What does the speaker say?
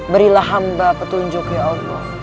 berilah hamba petunjuk ya allah